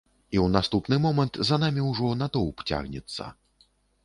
І ў наступны момант за намі ўжо натоўп цягнецца.